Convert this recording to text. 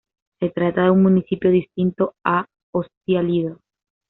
Se trata de un municipio distinto a Ostia Lido.